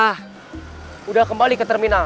sudah kembali ke terminal